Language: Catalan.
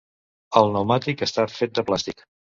El pneumàtic està fet de plàstic.